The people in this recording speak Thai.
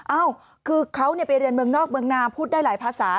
เอ้าคือเขาไปเรียนเมืองนอกเมืองนาพูดได้หลายภาษา